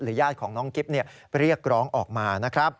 ญาติของน้องกิ๊บเรียกร้องออกมานะครับ